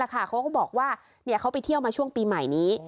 เขาก็บอกว่าเขาไปเที่ยวมาช่วงปีใหม่นี้